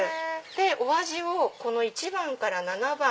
でお味を１番から７番。